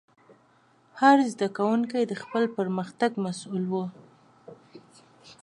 هر زده کوونکی د خپل پرمختګ مسؤل و.